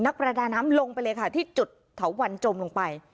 ประดาน้ำลงไปเลยค่ะที่จุดเถาวันจมลงไป